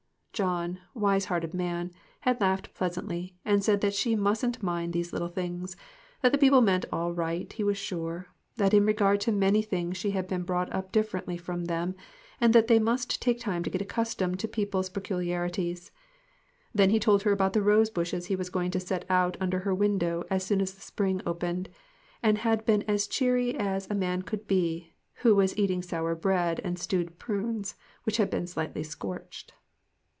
John, wise hearted man, had laughed pleasantly, and said that she mustn't mind these little things; that the people meant all right, he was sure ; that in regard to many things she had been brought up differently from them, and that they must take time to get accustomed to people's peculiarities. Then he had told her about the rose bushes he was going to set out under her window as soon as the spring opened, and had been as cheery as a man could well be who was eating sour bread and stewed prunes which had been slightly scorched.